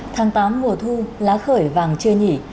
tháng tám mùa thu lá khởi vàng chưa nhỉ